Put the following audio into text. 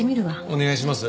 お願いします。